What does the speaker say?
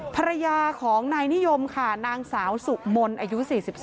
ภรรยาของนายนิยมค่ะนางสาวสุมนอายุ๔๒